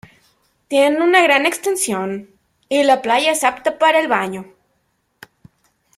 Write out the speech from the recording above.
Tiene una gran extensión y la playa es apta para el baño.